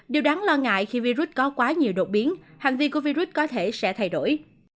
điều đáng lo ngại khi virus có quá nhiều đột biến hành vi của virus có thể sẽ thay đổi